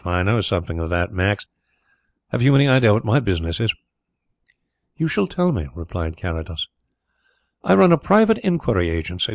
I know something of that, Max ... Have you any idea what my business is?" "You shall tell me," replied Carrados. "I run a private inquiry agency.